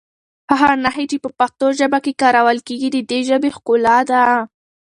هغه نښې چې په پښتو ژبه کې کارول کېږي د دې ژبې ښکلا ده.